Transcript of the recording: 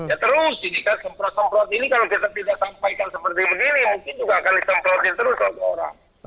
ya terus ini kan semprot semprot ini kalau kita tidak sampaikan seperti ini mungkin juga akan ditemprotin terus oleh orang